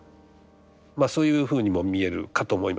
まあそういうふうにも見えるかと思います。